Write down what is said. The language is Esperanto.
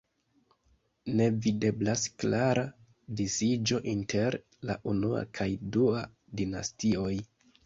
Ne videblas klara disiĝo inter la unua kaj dua dinastioj.